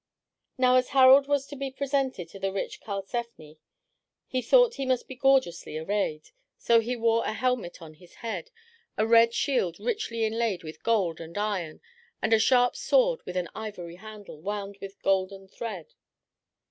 Now as Harald was to be presented to the rich Karlsefne, he thought he must be gorgeously arrayed. So he wore a helmet on his head, a red shield richly inlaid with gold and iron, and a sharp sword with an ivory handle wound with golden thread.